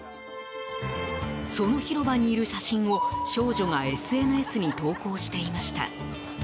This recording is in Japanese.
その広場にいる写真を、少女がＳＮＳに投稿していました。